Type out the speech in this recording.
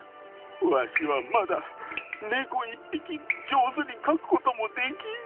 わしはまだ猫一匹上手に描くこともできん。